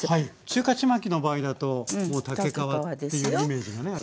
中華ちまきの場合だと竹皮っていうイメージがあってね。